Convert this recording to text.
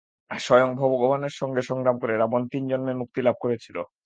স্বয়ং ভগবানের সঙ্গে সংগ্রাম করে রাবণ তিন জন্মে মুক্তিলাভ করেছিল।